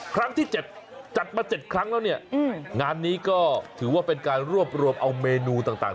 ครั้งที่๗จัดมา๗ครั้งแล้วเนี่ยงานนี้ก็ถือว่าเป็นการรวบรวมเอาเมนูต่าง